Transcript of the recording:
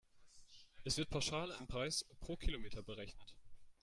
Es wird pauschal ein Preis pro Kilometer berechnet.